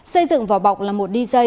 xây dựng vỏ bọc là một dj